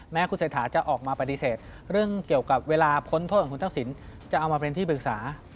แม้คุณเศรษฐาจะออกมาปฏิเสธเรื่องเกี่ยวกับเวลาพ้นโทษของคุณทักษิณจะเอามาเป็นที่ปรึกษา